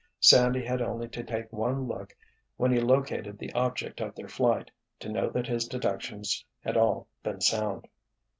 Sandy had only to take one look when he located the object of their flight, to know that his deductions had all been sound.